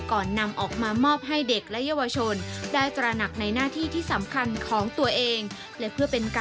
ก่อนนำออกมามอบให้เด็กและเยาวชน